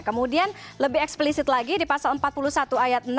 kemudian lebih eksplisit lagi di pasal empat puluh satu ayat enam